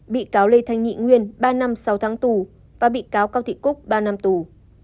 bị cáo lê thanh nghị nguyên ba năm sáu tháng tù và bị cáo cao thị cúc ba năm tù